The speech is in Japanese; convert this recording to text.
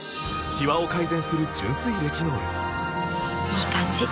いい感じ！